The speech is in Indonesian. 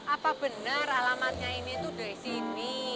apa benar alamatnya ini tuh dari sini